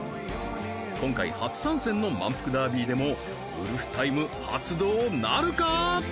今回初参戦の「まんぷくダービー」でもウルフタイム発動なるか？